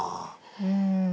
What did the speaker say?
うん。